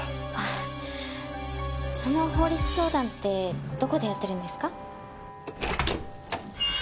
その法律相談ってどこでやってるんですか？